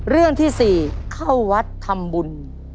เรื่องที่๔เข้าวัดทำบุญ